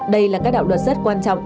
đây là các đạo luật rất quan trọng